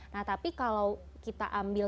nah tapi kalau kita ambil